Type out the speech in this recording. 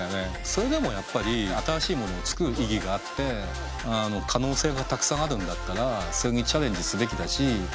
それでもやっぱり新しいものを作る意義があって可能性がたくさんあるんだったらそれにチャレンジすべきだし。